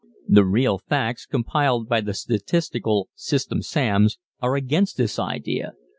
The real facts compiled by the statistical "System Sams" are against this idea.